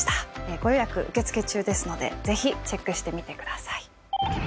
ご予約、受け付け中ですので、ぜひ、チェックしてみてください。